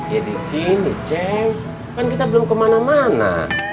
ya di sini ceng kan kita belum kemana mana